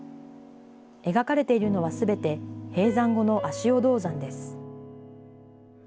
描かれているのはすべて、閉山後の足尾銅山です。